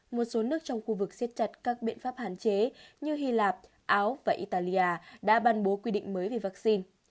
một số nước trong khu vực siết chặt các biện pháp hạn chế như hy lạp áo và italia đã ban bố quy định mới về vaccine